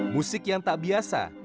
musik yang tak biasa